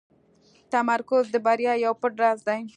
تمرکز د بریا یو پټ راز دی.